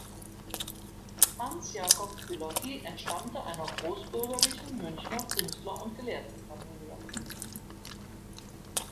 Hans Jakob Piloty entstammte einer großbürgerlichen Münchner Künstler- und Gelehrtenfamilie.